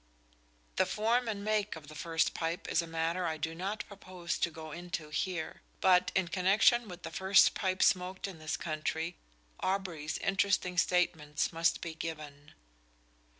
The form and make of the first pipe is a matter I do not propose to go into here; but in connexion with the first pipe smoked in this country Aubrey's interesting statements must be given.